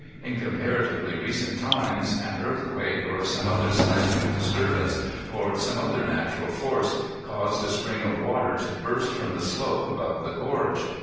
In comparatively recent times an earthquake or some seismic disturbance or some other natural force caused a spring of water to burst from the slope above the gorge.